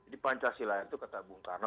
di pancasila itu kata bung karno